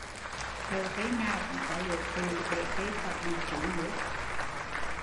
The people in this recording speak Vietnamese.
Chậu cây nào cũng có lỗ tụ để cây khỏi bị trướng nước